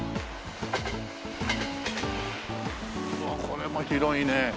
うわこれも広いね。